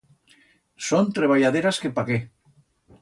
Son treballaderas que pa qué.